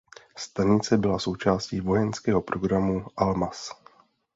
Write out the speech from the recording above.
Stanice byla součástí vojenského programu Almaz.